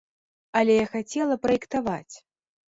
Але я хацела праектаваць.